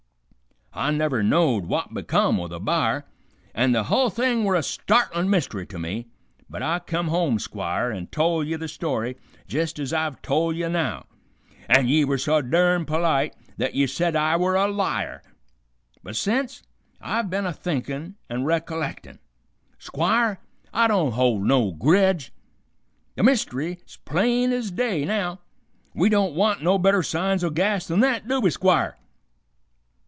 I never knowed w'at become o' the b'ar, an' the hull thing were a startlin' myst'ry to me, but I kim home, Squire, an' tol' ye the story, jest ez I've tol' ye now, an' ye were so durn polite th't ye said I were a liar. But sence, I've been a thinkin' an' recollectin'. Squire, I don't hold no gredge. The myst'ry's plain ez day, now. We don't want no better signs o' gas th'n th't, do we, Squire?"